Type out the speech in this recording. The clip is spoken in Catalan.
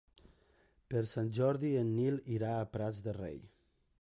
Per Sant Jordi en Nil irà als Prats de Rei.